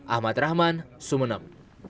ahmad rahman sumeneb